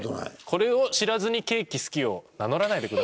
これを知らずにケーキ好きを名乗らないでください。